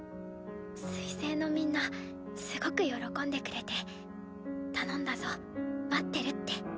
水星のみんなすごく喜んでくれて「頼んだぞ。待ってる」って。